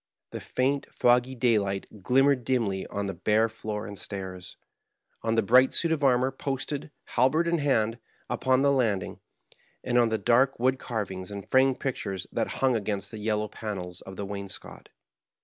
The faint, foggy daylight glimmered dimly on the bare floor and stairs ; on the bright suit of armor posted, halbert in hand, upon the landing; and on the dark wood carvings and framed pictures that hung against the yellow panels of the wainscot.